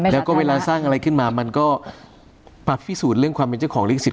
แล้วก็เวลาสร้างอะไรขึ้นมามันก็มาพิสูจน์เรื่องความเป็นเจ้าของลิขสิท